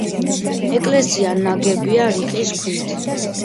ეკლესია ნაგებია რიყის ქვით.